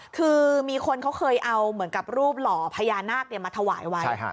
คือมีคนเขาเคยเอาเหมือนกับรูปหล่อพญานาคมาถวายไว้